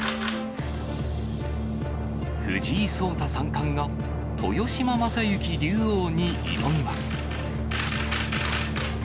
藤井聡太三冠が、豊島将之竜王に挑みます。